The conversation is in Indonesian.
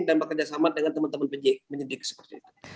dan bekerja sama dengan teman teman penyelidik seperti itu